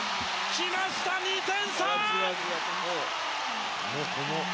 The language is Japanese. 来ました、２点差！